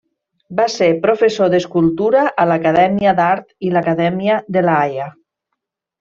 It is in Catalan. Va ser professor d'escultura a l'Acadèmia d'Art i l'Acadèmia de La Haia.